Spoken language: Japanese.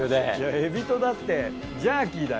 エビとだってジャーキーだよ。